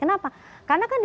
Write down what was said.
kalau kita pakai